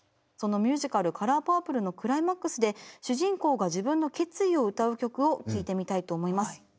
そのミュージカル「カラーパープル」のクライマックスで主人公が自分の決意を歌う曲を聴いてみたいと思います。